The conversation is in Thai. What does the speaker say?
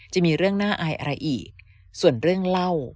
จะมีเรื่องน่าอายอะไรอีกส่วนเรื่องเล่า